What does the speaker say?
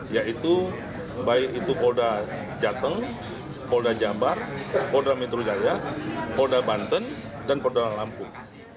yaitu baik itu polda jateng polda jabar polda metro jaya polda banten dan polda lampung